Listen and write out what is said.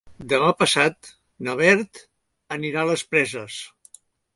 Demà passat na Beth anirà a les Preses.